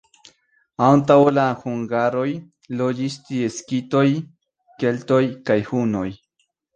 Antaŭ la hungaroj loĝis tie skitoj, keltoj kaj hunoj.